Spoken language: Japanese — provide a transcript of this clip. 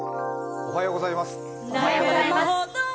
おはようございます。